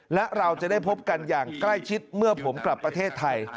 และเราจะได้พบกันอย่างใกล้ชิดเมื่อผมกลับประเทศไทย